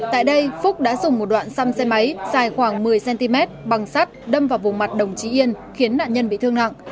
tại đây phúc đã dùng một đoạn xăm xe máy dài khoảng một mươi cm bằng sắt đâm vào vùng mặt đồng chí yên khiến nạn nhân bị thương nặng